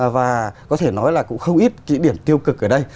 và có thể nói là cũng không ít kỹ điểm tiêu cực ở đây